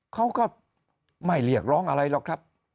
เขาก็ไม่เรียกร้องอะไรหรอกครับ